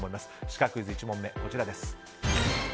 シカクイズ１問目、こちらです。